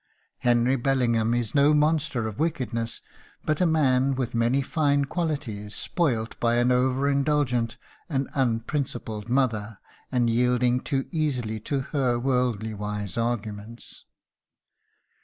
Henry Bellingham is no monster of wickedness, but a man with many fine qualities spoilt by an over indulgent and unprincipled mother, and yielding too easily to her worldly wise arguments.